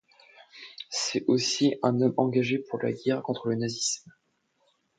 C’était aussi un homme engagé pour la guerre contre le nazisme.